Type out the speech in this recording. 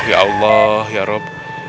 ya allah ya rabb